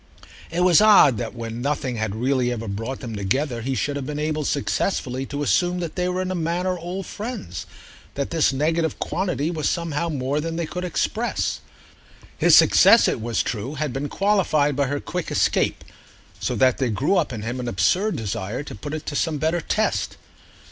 It was odd that when nothing had really ever brought them together he should have been able successfully to assume they were in a manner old friends—that this negative quantity was somehow more than they could express. His success, it was true, had been qualified by her quick escape, so that there grew up in him an absurd desire to put it to some better test.